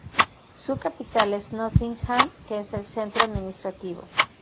Su capital es Nottingham, que es el centro administrativo.